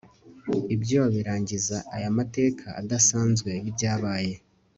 Ibyo birangiza aya mateka adasanzwe yibyabaye